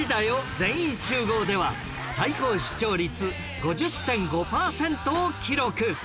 全員集合』では最高視聴率 ５０．５ パーセントを記録